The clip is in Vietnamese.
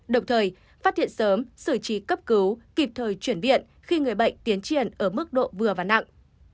đồng thời phát hiện sớm xử trí cấp cứu kịp thời chuyển viện khi người bệnh tiến triển ở mức độ vừa và nặng